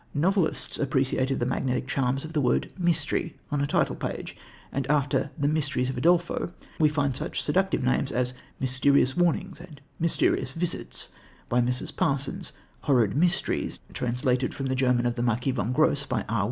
Novelists appreciated the magnetic charm of the word "mystery" on a title page, and after The Mysteries of Udolpho we find such seductive names as Mysterious Warnings and Mysterious Visits, by Mrs. Parsons; Horrid Mysteries, translated from the German of the Marquis von Grosse, by R.